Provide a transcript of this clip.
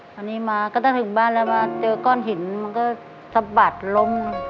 ตอนนี้มาก็ต้องถึงบ้านแล้วมาเจอก้อนหินมันก็สะบัดล้ม